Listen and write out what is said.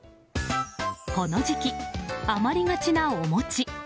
この時期、余りがちなお餅。